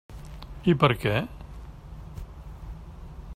I per què?